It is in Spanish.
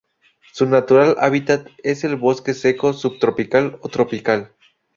Su natural hábitat es el bosque seco subtropical o tropical.